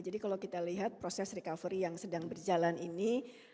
jadi kalau kita lihat proses recovery yang sedang berjalan ini